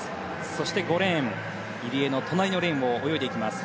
そして、５レーン、入江の隣のレーンを泳いでいきます。